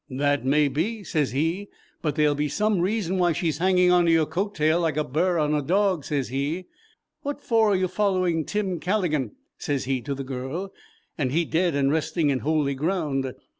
'That may be,' sez he, 'but there'll be some reason why she's hanging on to your coat tail like a burr on a dog,' sez he. 'What for are you following Tim Calligan,' sez he to the girl, 'and he dead and resting in holy ground?'